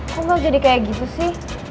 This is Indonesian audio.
kok gue jadi kayak gitu sih